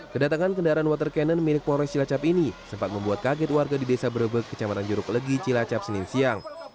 kedatangan kendaraan water cannon milik polres cilacap ini sempat membuat kaget warga di desa brebek kecamatan jeruk legi cilacap senin siang